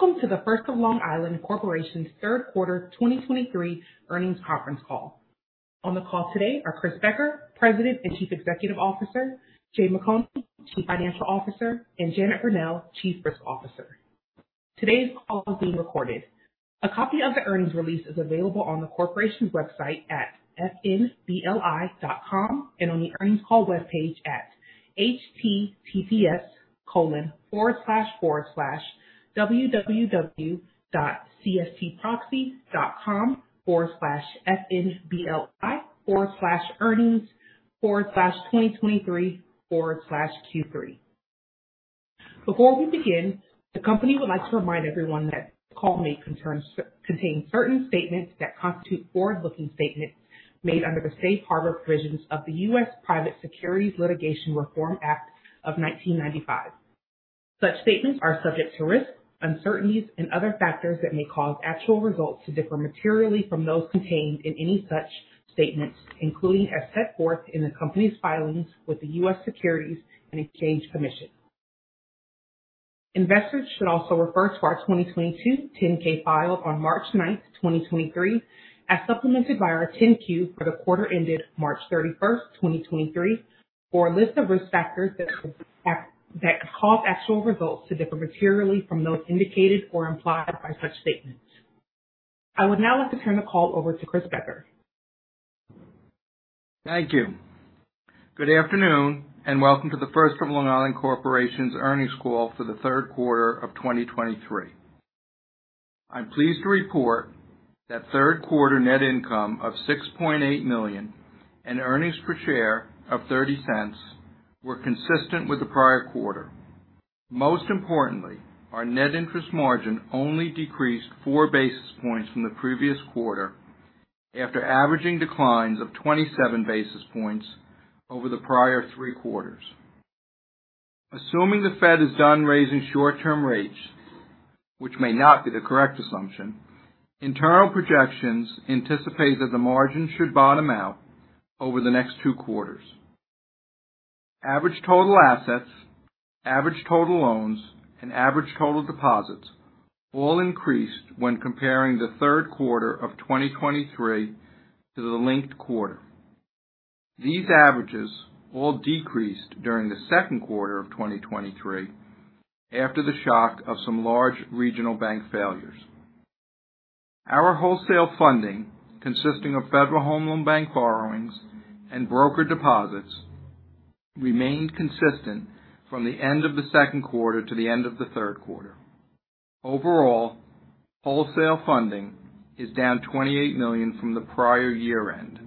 Welcome to The First of Long Island Corporation's Q3 2023 Earnings Conference Call. On the call today are Chris Becker, President and Chief Executive Officer; Jay McConie, Chief Financial Officer; and Janet Verneuille, Chief Risk Officer. Today's call is being recorded. A copy of the earnings release is available on the corporation's website at fnbli.com, and on the earnings call webpage at https://www.cstproxy.com/fnbli/earnings/2023/Q3. Before we begin, the company would like to remind everyone that the call may contain certain statements that constitute forward-looking statements made under the Safe Harbor Provisions of the U.S. Private Securities Litigation Reform Act of 1995. Such statements are subject to risks, uncertainties, and other factors that may cause actual results to differ materially from those contained in any such statements, including as set forth in the company's filings with the U.S. Securities and Exchange Commission. Investors should also refer to our 2022 10-K filed on March 9, 2023, as supplemented by our 10-Q for the quarter ended March 31, 2023, for a list of risk factors that could cause actual results to differ materially from those indicated or implied by such statements. I would now like to turn the call over to Chris Becker. Thank you. Good afternoon, and welcome to The First of Long Island Corporation's earnings call for the Q3 of 2023. I'm pleased to report that Q3 net income of $6.8 million and earnings per share of $0.30 were consistent with the prior quarter. Most importantly, our net interest margin only decreased 4 basis points from the previous quarter after averaging declines of 27 basis points over the prior three quarters. Assuming the Fed is done raising short-term rates, which may not be the correct assumption, internal projections anticipate that the margin should bottom out over the next two quarters. Average total assets, average total loans, and average total deposits all increased when comparing the Q3 of 2023 to the linked quarter. These averages all decreased during the Q2 of 2023 after the shock of some large regional bank failures. Our wholesale funding, consisting of Federal Home Loan Bank borrowings and brokered deposits, remained consistent from the end of the Q2 to the end of the Q3. Overall, wholesale funding is down $28 million from the prior year-end.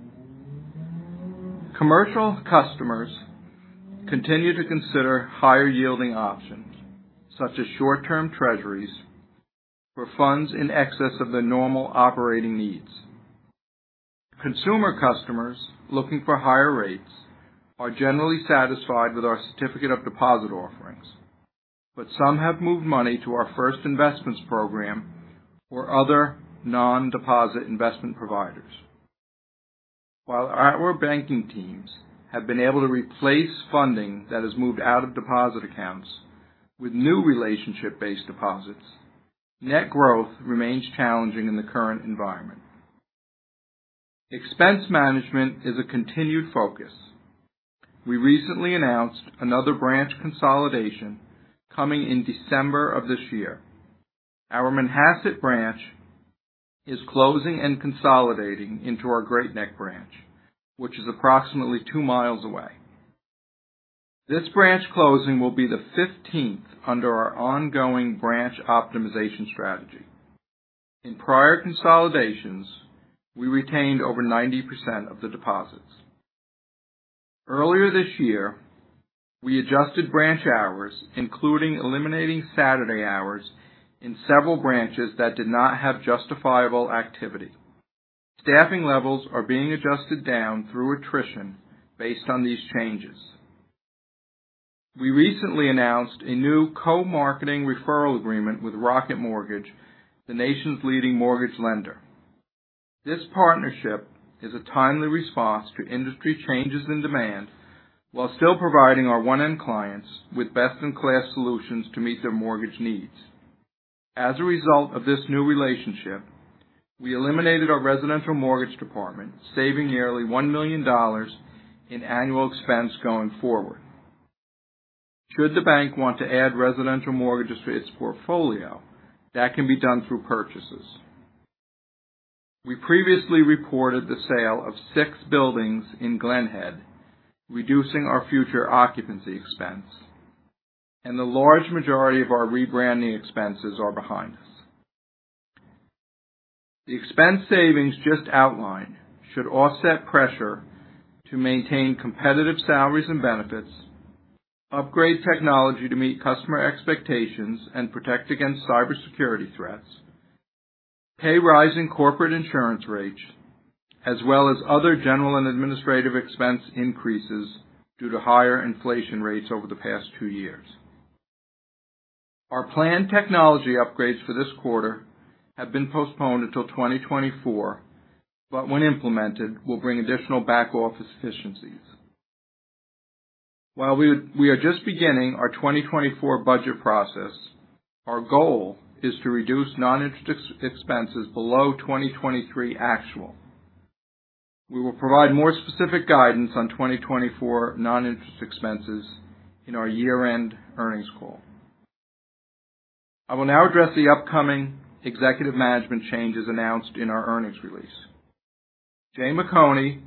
Commercial customers continue to consider higher-yielding options, such as short-term treasuries, for funds in excess of their normal operating needs. Consumer customers looking for higher rates are generally satisfied with our certificate of deposit offerings, but some have moved money to our First Investments program or other non-deposit investment providers. While our banking teams have been able to replace funding that has moved out of deposit accounts with new relationship-based deposits, net growth remains challenging in the current environment. Expense management is a continued focus. We recently announced another branch consolidation coming in December of this year. Our Manhasset branch is closing and consolidating into our Great Neck branch, which is approximately two miles away. This branch closing will be the fifteenth under our ongoing branch optimization strategy. In prior consolidations, we retained over 90% of the deposits. Earlier this year, we adjusted branch hours, including eliminating Saturday hours, in several branches that did not have justifiable activity. Staffing levels are being adjusted down through attrition based on these changes. We recently announced a new co-marketing referral agreement with Rocket Mortgage, the nation's leading mortgage lender. This partnership is a timely response to industry changes in demand while still providing our one-end clients with best-in-class solutions to meet their mortgage needs. As a result of this new relationship, we eliminated our residential mortgage department, saving nearly $1 million in annual expense going forward. Should the bank want to add residential mortgages to its portfolio, that can be done through purchases. We previously reported the sale of 6 buildings in Glen Head, reducing our future occupancy expense, and the large majority of our rebranding expenses are behind us. The expense savings just outlined should offset pressure to maintain competitive salaries and benefits, upgrade technology to meet customer expectations, and protect against cybersecurity threats, pay rising corporate insurance rates, as well as other general and administrative expense increases due to higher inflation rates over the past two years. Our planned technology upgrades for this quarter have been postponed until 2024, but when implemented, will bring additional back-office efficiencies. While we are just beginning our 2024 budget process, our goal is to reduce non-interest expenses below 2023 actual. We will provide more specific guidance on 2024 non-interest expenses in our year-end earnings call. I will now address the upcoming executive management changes announced in our earnings release. Jay McConie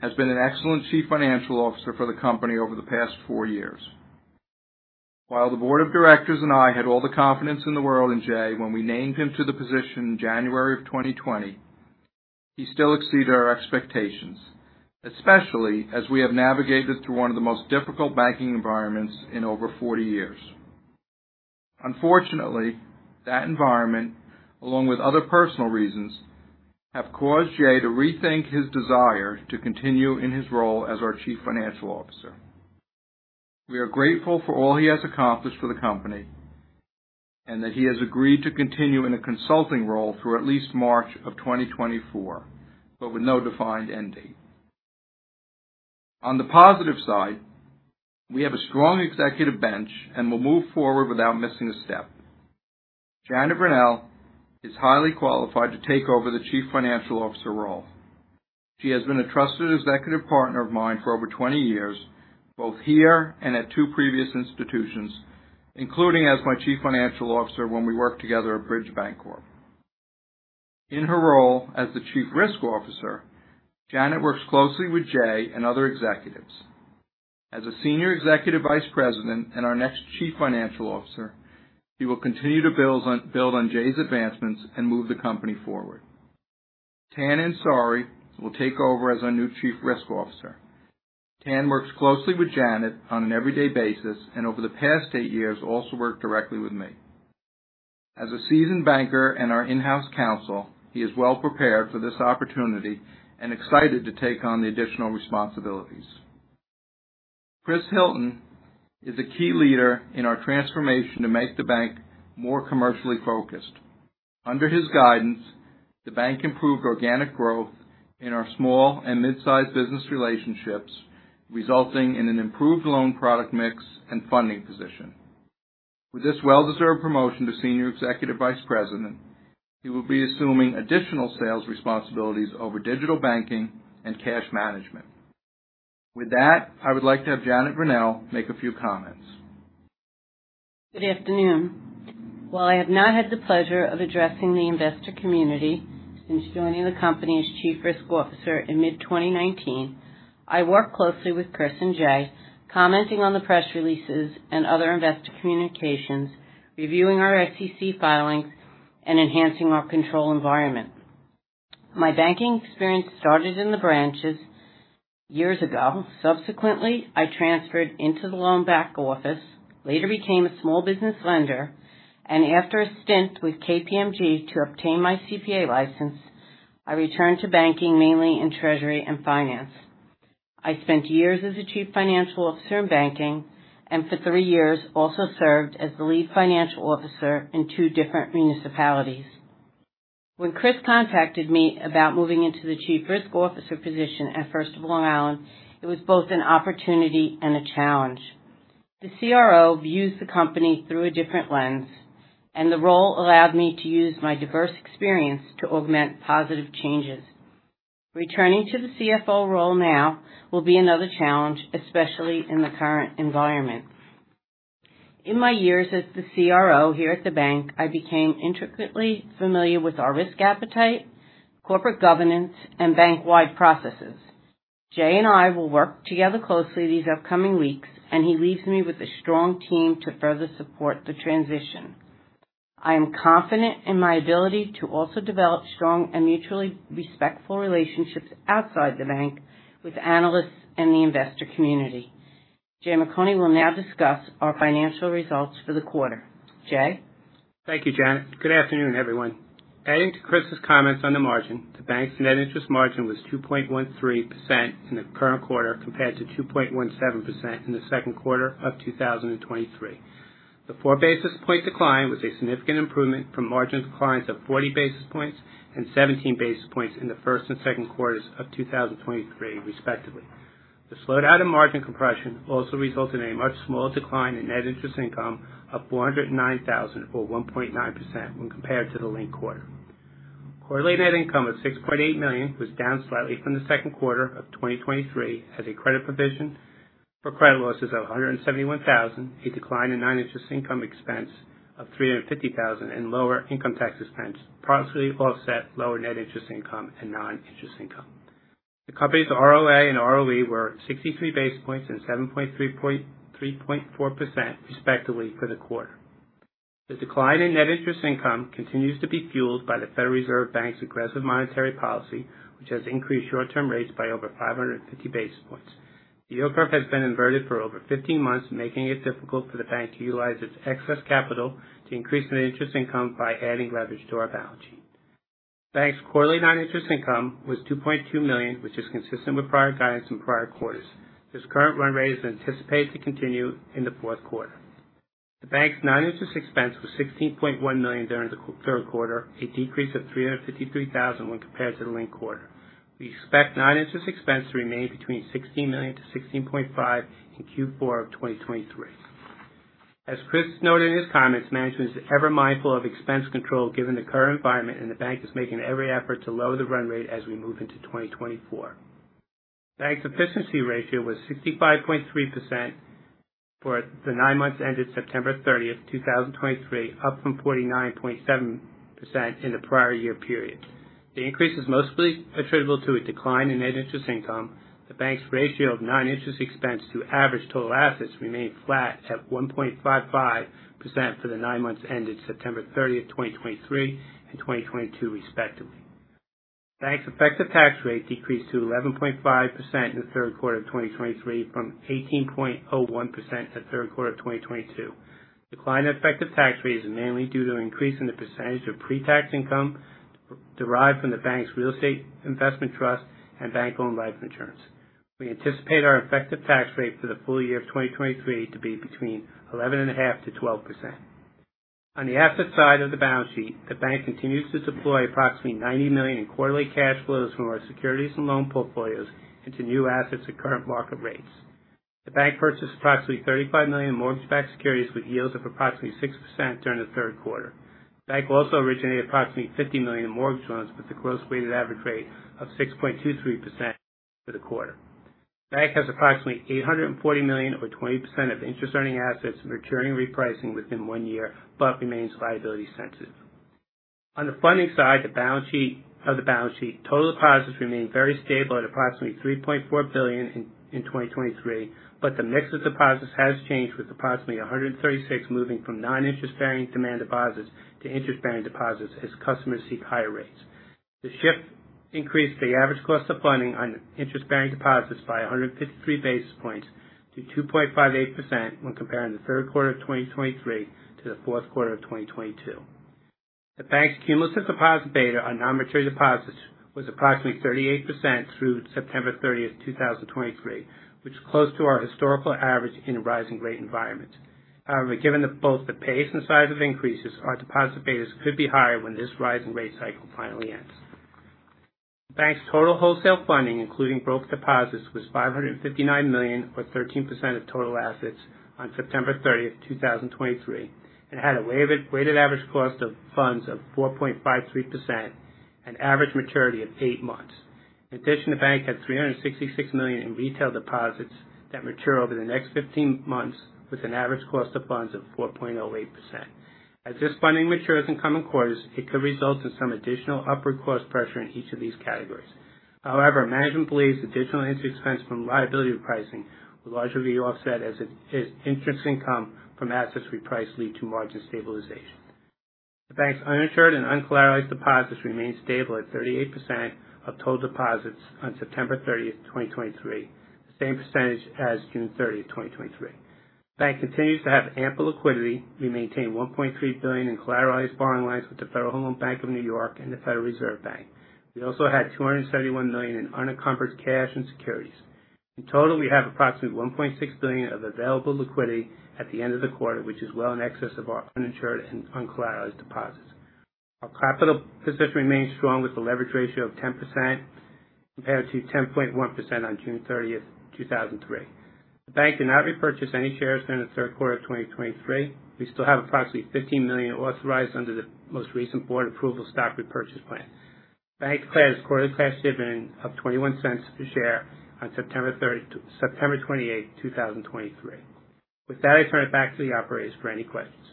has been an excellent Chief Financial Officer for the company over the past 4 years. While the board of directors and I had all the confidence in the world in Jay when we named him to the position in January 2020, he still exceeded our expectations, especially as we have navigated through one of the most difficult banking environments in over 40 years. Unfortunately, that environment, along with other personal reasons, have caused Jay to rethink his desire to continue in his role as our Chief Financial Officer. We are grateful for all he has accomplished for the company and that he has agreed to continue in a consulting role through at least March 2024, but with no defined end date. On the positive side, we have a strong executive bench and will move forward without missing a step. Janet Verneuille is highly qualified to take over the Chief Financial Officer role. She has been a trusted executive partner of mine for over 20 years, both here and at two previous institutions, including as my Chief Financial Officer when we worked together at Bridge Bancorp. In her role as the Chief Risk Officer, Janet works closely with Jay and other executives. As a Senior Executive Vice President and our next Chief Financial Officer, she will continue to build on, build on Jay's advancements and move the company forward. Tan Ansari will take over as our new Chief Risk Officer. Tan works closely with Janet on an everyday basis, and over the past 8 years, also worked directly with me. As a seasoned banker and our in-house counsel, he is well prepared for this opportunity and excited to take on the additional responsibilities. Chris Hilton is a key leader in our transformation to make the bank more commercially focused. Under his guidance, the bank improved organic growth in our small and mid-sized business relationships, resulting in an improved loan product mix and funding position. With this well-deserved promotion to Senior Executive Vice President, he will be assuming additional sales responsibilities over digital banking and cash management. With that, I would like to have Janet Verneuille make a few comments. Good afternoon. While I have not had the pleasure of addressing the investor community since joining the company as Chief Risk Officer in mid-2019, I worked closely with Chris and Jay, commenting on the press releases and other investor communications, reviewing our SEC filings, and enhancing our control environment. My banking experience started in the branches years ago. Subsequently, I transferred into the loan back office, later became a small business lender, and after a stint with KPMG to obtain my CPA license, I returned to banking, mainly in treasury and finance. I spent years as a Chief Financial Officer in banking, and for three years also served as the lead financial officer in two different municipalities. When Chris contacted me about moving into the Chief Risk Officer position at First of Long Island, it was both an opportunity and a challenge. The CRO views the company through a different lens, and the role allowed me to use my diverse experience to augment positive changes. Returning to the CFO role now will be another challenge, especially in the current environment. In my years as the CRO here at the bank, I became intricately familiar with our risk appetite, corporate governance, and bank-wide processes. Jay and I will work together closely these upcoming weeks, and he leaves me with a strong team to further support the transition. I am confident in my ability to also develop strong and mutually respectful relationships outside the bank with analysts and the investor community. Jay McConie will now discuss our financial results for the quarter. Jay? Thank you, Janet. Good afternoon, everyone. Adding to Chris's comments on the margin, the bank's net interest margin was 2.13% in the current quarter, compared to 2.17% in the Q2 of 2023. The 4 basis point decline was a significant improvement from margin declines of 40 basis points and 17 basis points in the first and Q2 of 2023, respectively. The slowdown in margin compression also resulted in a much smaller decline in net interest income of $409,000, or 1.9%, when compared to the linked quarter. Quarterly net income of $6.8 million was down slightly from the Q2 of 2023, as a credit provision for credit losses of $171,000, a decline in non-interest expense of $350,000, and lower income tax expense partially offset lower net interest income and non-interest income. The company's ROA and ROE were 63 basis points and 3.4%, respectively, for the quarter. The decline in net interest income continues to be fueled by the Federal Reserve Bank's aggressive monetary policy, which has increased short-term rates by over 550 basis points. The yield curve has been inverted for over 15 months, making it difficult for the bank to utilize its excess capital to increase net interest income by adding leverage to our balance sheet. Bank's quarterly non-interest income was $2.2 million, which is consistent with prior guidance in prior quarters. This current run rate is anticipated to continue in the Q4. The bank's non-interest expense was $16.1 million during the Q3, a decrease of $353,000 when compared to the linked quarter. We expect non-interest expense to remain between $16 million-$16.5 million in Q4 of 2023. As Chris noted in his comments, management is ever mindful of expense control given the current environment, and the bank is making every effort to lower the run rate as we move into 2024. The bank's efficiency ratio was 65.3% for the nine months ended September 30, 2023, up from 49.7% in the prior year period. The increase is mostly attributable to a decline in net interest income. The bank's ratio of non-interest expense to average total assets remained flat at 1.55% for the nine months ended September 30, 2023 and 2022, respectively. The bank's effective tax rate decreased to 11.5% in the Q3 of 2023 from 18.01% in the Q3 of 2022. Decline in effective tax rate is mainly due to an increase in the percentage of pre-tax income derived from the bank's real estate investment trust and bank-owned life insurance. We anticipate our effective tax rate for the full year of 2023 to be between 11.5%-12%. On the asset side of the balance sheet, the bank continues to deploy approximately $90 million in quarterly cash flows from our securities and loan portfolios into new assets at current market rates. The bank purchased approximately $35 million mortgage-backed securities with yields of approximately 6% during the Q3. The bank also originated approximately $50 million in mortgage loans, with a gross weighted average rate of 6.23% for the quarter. The bank has approximately $840 million, or 20%, of interest-earning assets maturing repricing within one year, but remains liability sensitive. On the funding side, the balance sheet, total deposits remained very stable at approximately $3.4 billion in 2023, but the mix of deposits has changed, with approximately $136 million moving from non-interest-bearing demand deposits to interest-bearing deposits as customers seek higher rates. The shift increased the average cost of funding on interest-bearing deposits by 153 basis points to 2.58% when comparing the Q3 of 2023 to the Q4 of 2022. The bank's cumulative deposit beta on nonmaturity deposits was approximately 38% through September 30, 2023, which is close to our historical average in a rising rate environment. However, given both the pace and size of increases, our deposit betas could be higher when this rise in rate cycle finally ends. The bank's total wholesale funding, including brokered deposits, was $559 million, or 13% of total assets, on September 30, 2023, and had a volume-weighted average cost of funds of 4.53% and average maturity of 8 months. In addition, the bank had $366 million in retail deposits that mature over the next 15 months, with an average cost of funds of 4.08%. As this funding matures in coming quarters, it could result in some additional upward cost pressure in each of these categories. However, management believes additional interest expense from liability repricing will largely be offset as interest income from assets reprice lead to margin stabilization. The bank's uninsured and uncollateralized deposits remained stable at 38% of total deposits on September 30, 2023, the same percentage as June 30, 2023. The bank continues to have ample liquidity. We maintain $1.3 billion in collateralized borrowing lines with the Federal Home Loan Bank of New York and the Federal Reserve Bank. We also had $271 million in unencumbered cash and securities. In total, we have approximately $1.6 billion of available liquidity at the end of the quarter, which is well in excess of our uninsured and uncollateralized deposits. Our capital position remains strong, with a leverage ratio of 10% compared to 10.1% on June 30, 2023. The bank did not repurchase any shares during the Q3 of 2023. We still have approximately $15 million authorized under the most recent board approval stock repurchase plan. The bank declared its quarterly cash dividend of $0.21 per share on September 28, 2023. With that, I turn it back to the operator for any questions.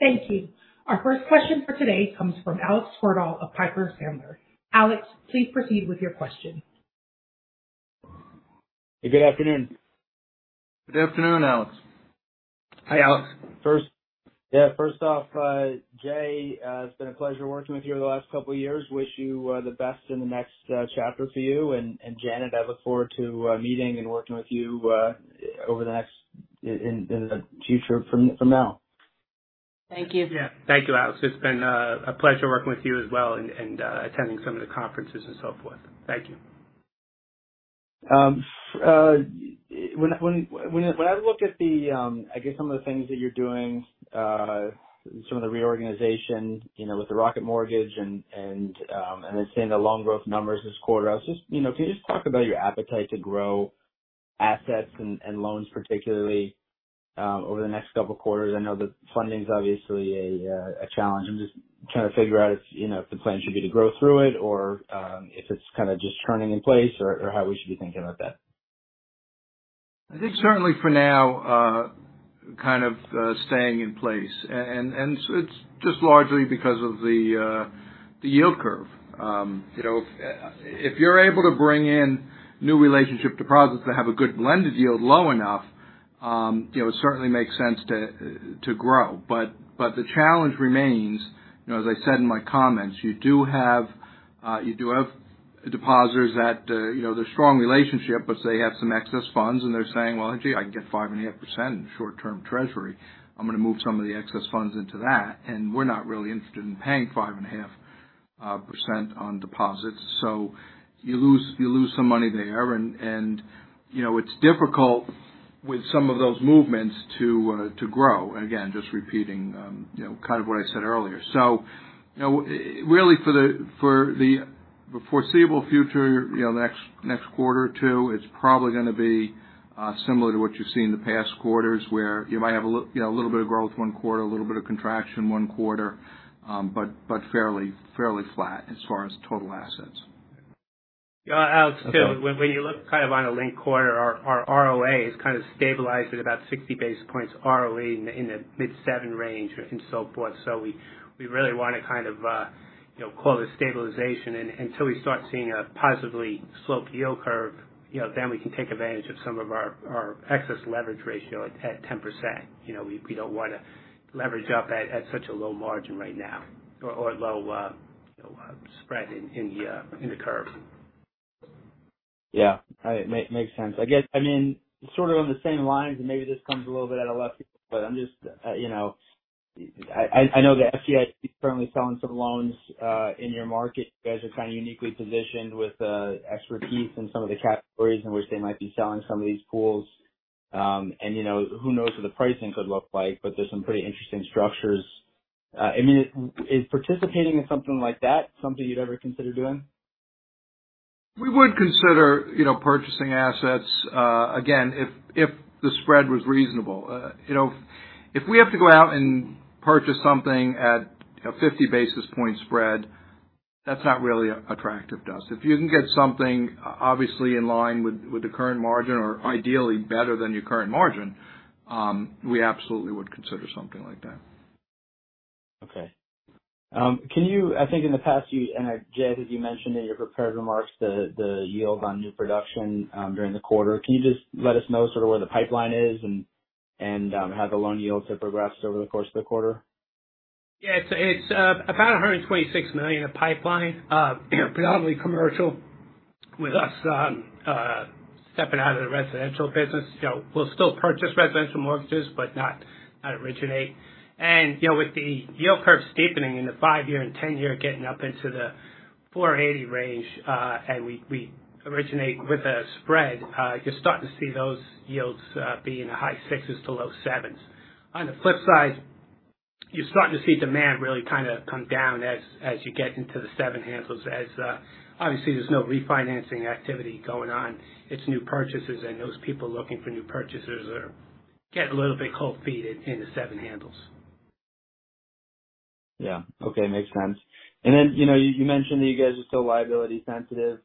Thank you. Our first question for today comes from Alex Twerdahl of Piper Sandler. Alex, please proceed with your question. Hey, good afternoon. Good afternoon, Alex. Hi, Alex. First off, Jay, it's been a pleasure working with you over the last couple of years. Wish you the best in the next chapter for you. And Janet, I look forward to meeting and working with you over the next in the future from now. Thank you. Yeah. Thank you, Alex. It's been a pleasure working with you as well and attending some of the conferences and so forth. Thank you. When I look at the, I guess some of the things that you're doing, some of the reorganization, you know, with the Rocket Mortgage and I've seen the loan growth numbers this quarter, I was just, you know, can you just talk about your appetite to grow assets and loans particularly, over the next couple of quarters? I know the funding is obviously a challenge. I'm just trying to figure out if, you know, if the plan should be to grow through it or, if it's kind of just churning in place or how we should be thinking about that. I think certainly for now, kind of, staying in place. And it's just largely because of the yield curve. You know, if you're able to bring in new relationship deposits that have a good blended yield, low enough, you know, it certainly makes sense to grow. But the challenge remains, you know, as I said in my comments, you do have depositors that, you know, they're strong relationship, but they have some excess funds, and they're saying, "Well, gee, I can get 5.5% in short-term Treasury. I'm going to move some of the excess funds into that." And we're not really interested in paying 5.5% on deposits. So you lose some money there. You know, it's difficult with some of those movements to grow. Again, just repeating, you know, kind of what I said earlier. You know, really for the foreseeable future, you know, next quarter or two, it's probably gonna be similar to what you've seen in the past quarters, where you might have a little, you know, a little bit of growth one quarter, a little bit of contraction one quarter, but fairly flat as far as total assets. Yeah, Alex, too. When you look kind of on a linked-quarter, our ROA has kind of stabilized at about 60 basis points, ROE in the mid-7 range and so forth. So we really want to kind of, you know, call this stabilization. And until we start seeing a positively sloped yield curve, you know, then we can take advantage of some of our excess leverage ratio at 10%. You know, we don't want to leverage up at such a low margin right now or low, you know, spread in the curve. Yeah, it makes sense. I guess, I mean, sort of on the same lines, and maybe this comes a little bit out of left field, but I'm just, you know I know that FDIC is currently selling some loans in your market. You guys are kind of uniquely positioned with expertise in some of the categories in which they might be selling some of these pools. And, you know, who knows what the pricing could look like, but there's some pretty interesting structures. I mean, is participating in something like that, something you'd ever consider doing? We would consider, you know, purchasing assets, again, if, if the spread was reasonable. You know, if we have to go out and purchase something at a 50 basis point spread, that's not really attractive to us. If you can get something obviously in line with, with the current margin or ideally better than your current margin, we absolutely would consider something like that. Okay. Can you, I think in the past you and Jay, as you mentioned in your prepared remarks, the yield on new production during the quarter. Can you just let us know sort of where the pipeline is and how the loan yields have progressed over the course of the quarter? Yeah, it's about $126 million in pipeline, predominantly commercial, with us stepping out of the residential business. You know, we'll still purchase residential mortgages, but not originate. You know, with the yield curve steepening in the 5-year and 10-year, getting up into the 4.80 range, and we originate with a spread, you're starting to see those yields be in the high 6s-low 7s. On the flip side, you're starting to see demand really kind of come down as you get into the 7 handles, as obviously there's no refinancing activity going on. It's new purchases, and those people looking for new purchases are getting a little bit cold feet in the 7 handles. Yeah. Okay, makes sense. And then, you know, you mentioned that you guys are still liability sensitive.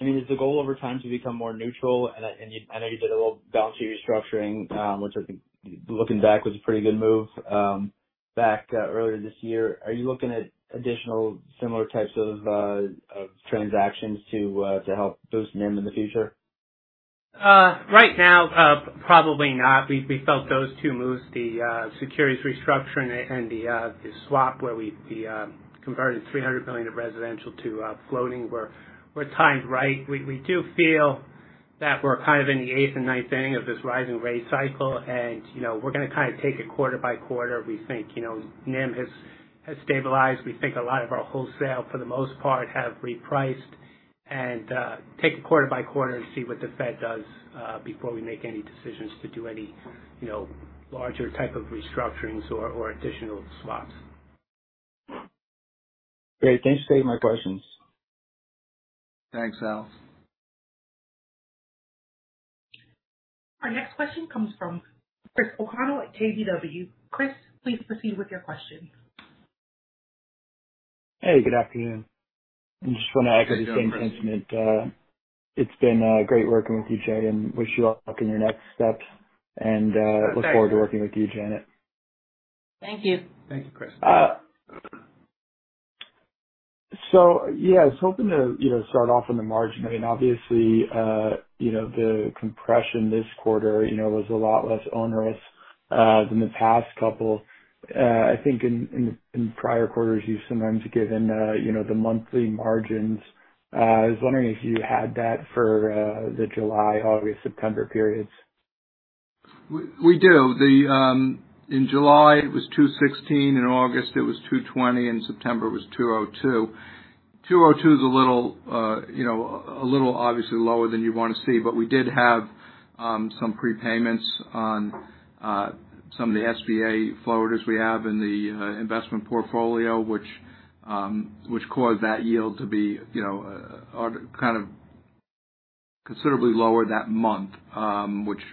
I mean, is the goal over time to become more neutral? And I know you did a little balance sheet restructuring, which I think looking back was a pretty good move back earlier this year. Are you looking at additional similar types of transactions to help boost NIM in the future? Right now, probably not. We felt those two moves, the securities restructuring and the swap, where we converted $300 million of residential to floating were timed right. We do feel that we're kind of in the eighth and ninth inning of this rising rate cycle, and, you know, we're gonna kind of take it quarter-by-quarter. We think, you know, NIM has stabilized. We think a lot of our wholesale, for the most part, have repriced. And take it quarter-by-quarter and see what the Fed does before we make any decisions to do any, you know, larger type of restructurings or additional swaps. Great. Thanks for taking my questions. Thanks, Alex. Our next question comes from Chris O'Connell at KBW. Chris, please proceed with your questions. Hey, good afternoon. I just want to echo the same sentiment. It's been great working with you, Jay, and wish you luck in your next steps, and- Thanks. look forward to working with you, Janet. Thank you. Thank you, Chris. So yeah, I was hoping to, you know, start off on the margin. I mean, obviously, you know, the compression this quarter, you know, was a lot less onerous than the past couple. I think in prior quarters, you've sometimes given, you know, the monthly margins. I was wondering if you had that for the July, August, September periods. We do. Then, in July, it was 2.16, in August it was 2.20, and September was 2.02. 2.02 is a little, you know, a little obviously lower than you'd want to see, but we did have some prepayments on some of the SBA floaters we have in the investment portfolio, which caused that yield to be, you know, kind of considerably lower that month,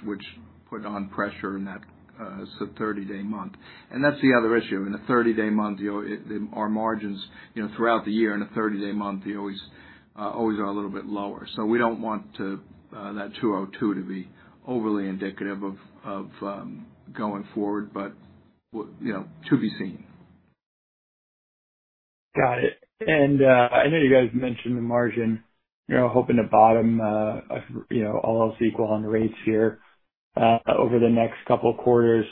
which put on pressure in that so thirty-day month. And that's the other issue. In a 30 day month, you know, it our margins, you know, throughout the year, in a 30 day month, you always always are a little bit lower. So we don't want to that 2.02 to be overly indicative of going forward, but you know, to be seen. Got it. And, I know you guys mentioned the margin, you know, hoping to bottom, you know, all else equal on the rates here, over the next couple of quarters.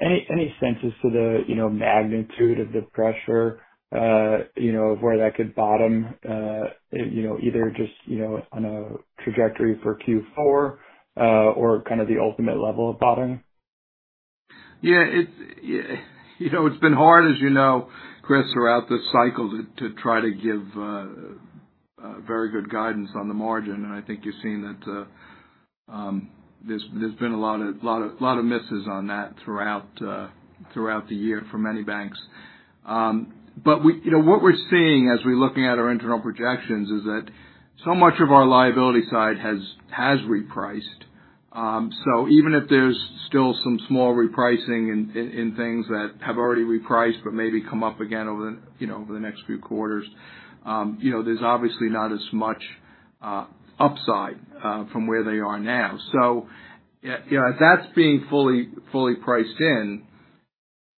Any sense to the, you know, magnitude of the pressure, you know, of where that could bottom, you know, either just, you know, on a trajectory for Q4, or kind of the ultimate level of bottom? Yeah, you know, it's been hard, as you know, Chris, throughout this cycle, to try to give very good guidance on the margin. And I think you've seen that, there's been a lot of misses on that throughout the year for many banks. But you know, what we're seeing as we're looking at our internal projections is that so much of our liability side has repriced. So even if there's still some small repricing in things that have already repriced, but maybe come up again over the, you know, over the next few quarters, you know, there's obviously not as much upside from where they are now. So yeah, if that's being fully priced in,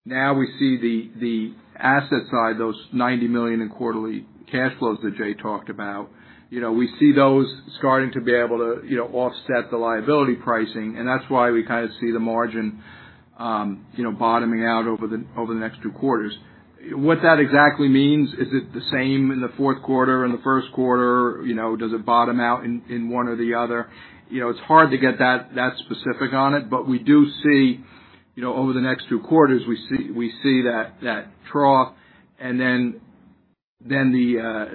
now we see the asset side, those $90 million in quarterly cash flows that Jay talked about, you know, we see those starting to be able to, you know, offset the liability pricing, and that's why we kind of see the margin, you know, bottoming out over the next two quarters. What that exactly means, is it the same in the Q4 and the Q1? You know, does it bottom out in one or the other? You know, it's hard to get that specific on it. But we do see you know, over the next two quarters, we see that trough. And then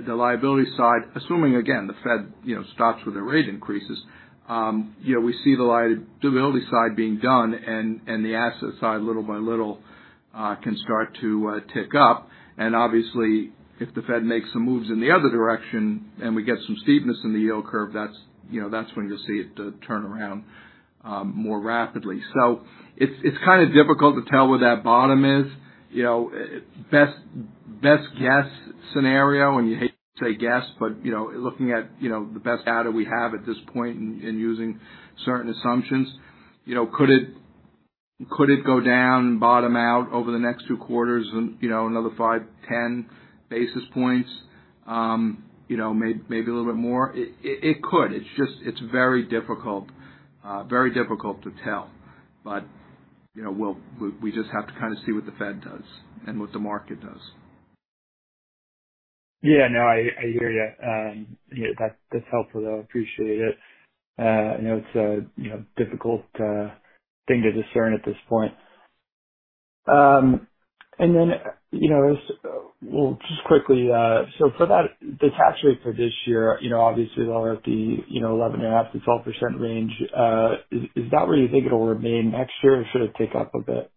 the liability side, assuming again, the Fed, you know, stops with their rate increases, you know, we see the liability side being done and the asset side, little by little, can start to tick up. And obviously, if the Fed makes some moves in the other direction, and we get some steepness in the yield curve, that's, you know, that's when you'll see it turn around more rapidly. So it's kind of difficult to tell where that bottom is. You know, best guess scenario, and you hate to say guess, but you know, looking at the best data we have at this point and using certain assumptions, you know, could it go down and bottom out over the next 2 quarters and, you know, another 5-10 basis points, maybe a little bit more? It could. It's just very difficult, very difficult to tell. But, you know, we'll just have to kind of see what the Fed does and what the market does. Yeah, no, I hear you. Yeah, that's helpful, though. I appreciate it. I know it's a, you know, difficult thing to discern at this point. And then, you know, as just quickly, so for that the tax rate for this year, you know, obviously all at the, you know, 11.5%-12% range, is that where you think it'll remain next year, or should it tick up a bit?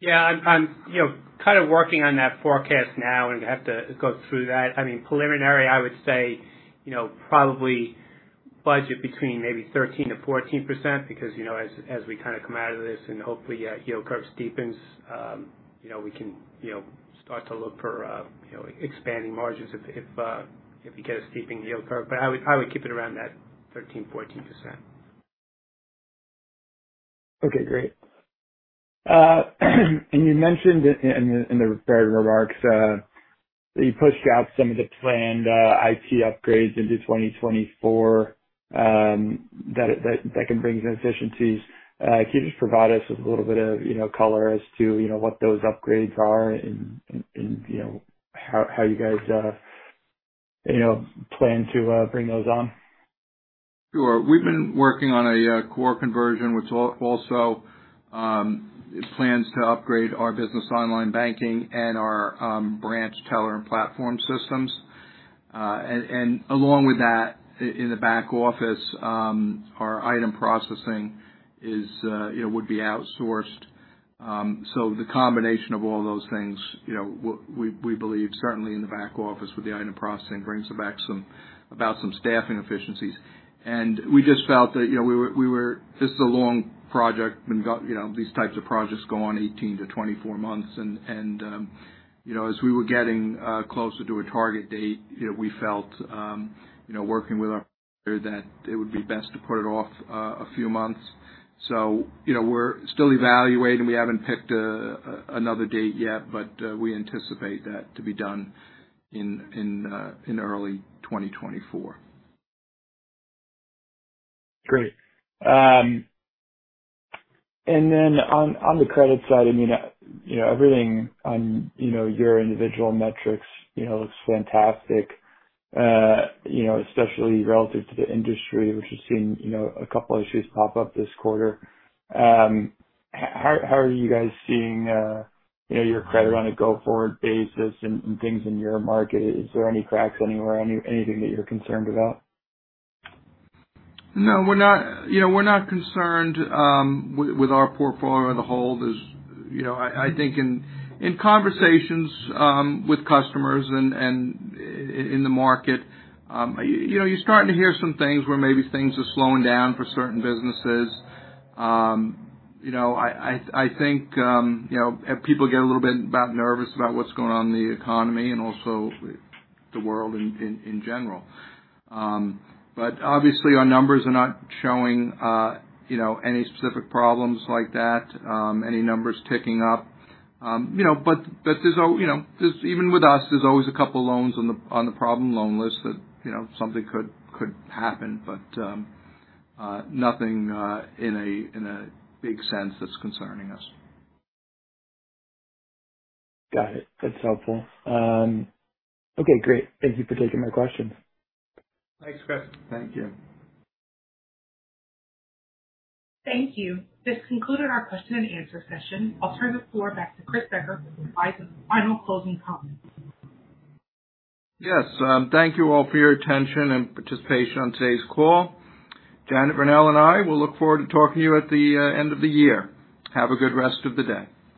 Yeah, I'm you know, kind of working on that forecast now and have to go through that. I mean, preliminary, I would say, you know, probably budget between maybe 13%-14%. Because, you know, as we kind of come out of this and hopefully, yield curve steepens, you know, we can, you know, start to look for, you know, expanding margins if we get a steepening yield curve. But I would keep it around that 13-14%. Okay, great. And you mentioned in the prepared remarks that you pushed out some of the planned IT upgrades into 2024 that can bring some efficiencies. Can you just provide us with a little bit of, you know, color as to, you know, what those upgrades are and, you know, how you guys, you know, plan to bring those on? Sure. We've been working on a core conversion, which also plans to upgrade our business online banking and our branch teller and platform systems. And along with that, in the back office, our item processing, you know, would be outsourced. So the combination of all those things, you know, we believe, certainly in the back office with the item processing, brings about some staffing efficiencies. And we just felt that, you know, we were is a long project, and, you know, these types of projects go on 18-24 months. And, you know, as we were getting closer to a target date, you know, we felt, you know, working with our that it would be best to put it off a few months. So, you know, we're still evaluating. We haven't picked another date yet, but we anticipate that to be done in early 2024. Great. And then on the credit side, I mean, you know, everything on your individual metrics, you know, looks fantastic. You know, especially relative to the industry, which has seen, you know, a couple issues pop up this quarter. How are you guys seeing, you know, your credit on a go-forward basis and things in your market? Is there any cracks anywhere, anything that you're concerned about? You know, we're not concerned with our portfolio as a whole. There's-- You know, I think in conversations with customers and in the market, you know, you're starting to hear some things where maybe things are slowing down for certain businesses. You know, I think, you know, people get a little bit nervous about what's going on in the economy and also the world in general. But obviously, our numbers are not showing, you know, any specific problems like that, any numbers ticking up. You know, but, but there's you know, there's even with us, there's always a couple loans on the, on the problem loan list that, you know, something could happen, but nothing in a big sense that's concerning us. Got it. That's helpful. Okay, great. Thank you for taking my questions. Thanks, Chris. Thank you. Thank you. This concludes our question and answer session. I'll turn the floor back to Chris Becker to provide the final closing comments. Yes, thank you all for your attention and participation on today's call. Janet Verneuille and I will look forward to talking to you at the end of the year. Have a good rest of the day.